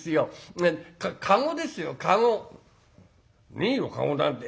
「いいよ駕籠なんて」。